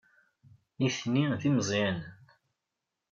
Nitni d imeẓyanen.